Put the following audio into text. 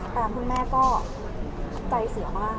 แต่คุณแม่ก็ใจเสียมาก